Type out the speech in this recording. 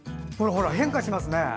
変化しますね。